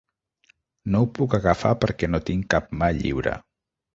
No ho puc agafar perquè no tinc cap mà lliure.